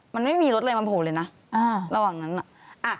มันไม่มีรถเลยมันโผล่เลยนะระหว่างนั้นน่ะ